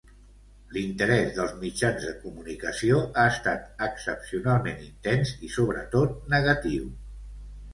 L'interès dels mitjans de comunicació ha estat excepcionalment intens i sobretot negatiu.